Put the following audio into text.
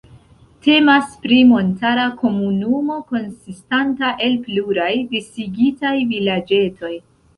Temas pri montara komunumo, konsistanta el pluraj disigitaj vilaĝetoj.